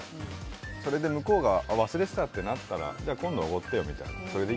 それで向こうが忘れてたってなったらじゃあ今度はおごってよみたいな。